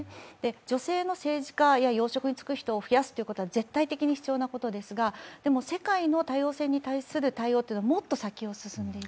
女性の政治家や要職に就く人を増やすっていうのは必要なことですがでも世界の多様性に対する対応はもっと先を進んでいる。